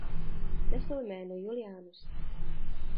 Nesl jméno Julianus.